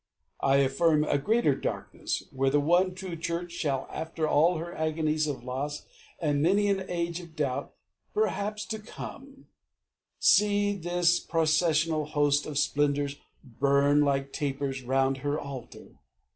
I affirm A greater Darkness, where the one true Church Shall after all her agonies of loss And many an age of doubt, perhaps, to come, See this processional host of splendours burn Like tapers round her altar.